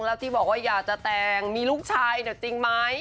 แล้วที่บอกว่าอยากจะแต่งมีลูกชายเนี่ยจริงไหม